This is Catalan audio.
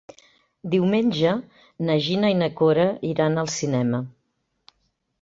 Diumenge na Gina i na Cora iran al cinema.